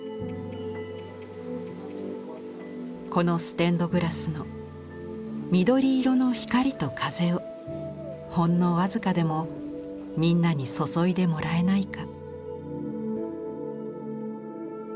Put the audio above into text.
「このステンド・グラスの緑色の光りと風をほんの僅かでもみんなに注いでもらえないか」。